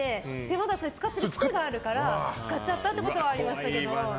まだそれ使ってる癖があるから使っちゃったってことあります。